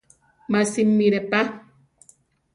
Má simire pa.